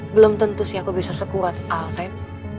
belum tentu sih aku bisa sekuat al ren